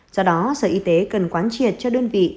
do đó sở y tế cần quán triệt cho đơn vị